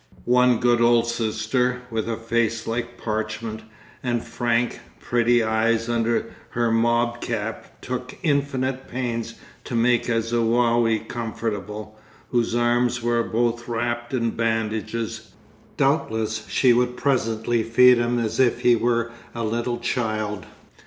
One good old sister, with a face like parchment, and frank, pretty eyes under her mob cap, took infinite pains to make a Zouave comfortable, whose arms were both wrapped in bandages. Doubtless she would presently feed him as if he were a little child.